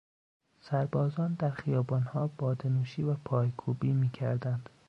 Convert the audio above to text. سربازان در خیابانها بادهنوشی و پایکوبی میکردند.